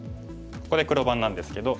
ここで黒番なんですけど。